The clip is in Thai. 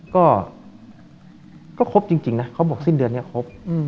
ก็ครบจริงนะเขาบอกสิ้นเดือนนี้ครบ